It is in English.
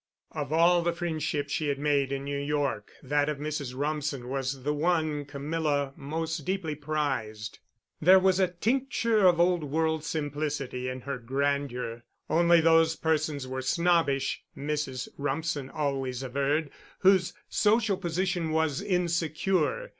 Of all the friendships she had made in New York, that of Mrs. Rumsen was the one Camilla most deeply prized. There was a tincture of old world simplicity in her grandeur. Only those persons were snobbish, Mrs. Rumsen always averred, whose social position was insecure.